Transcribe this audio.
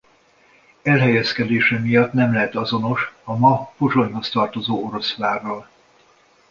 Elhelyezkedése miatt nem lehet azonos a ma Pozsonyhoz tartozó Oroszvárral.